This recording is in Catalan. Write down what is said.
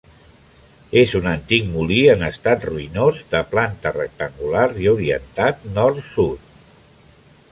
És un antic molí en estat ruïnós, de planta rectangular i orientat nord-sud.